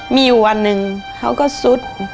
มีอยู่วันหนึ่งเขาก็ซุด